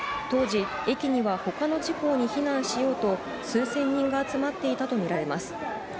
当時、駅にはほかの地方に避難しようと、数千人が集まっていたと見られます。